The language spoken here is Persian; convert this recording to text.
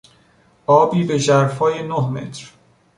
آبی به ژرفای نه متر